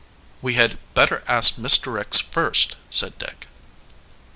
"We had better ask Mr. Ricks first," said Dick.